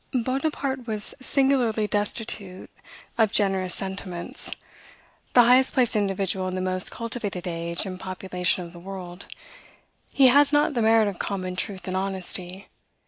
Bonaparte was singularly destitute of generous sentiments. The highest placed individual in the most cultivated age and population of the world, he has not the merit of common truth and honesty.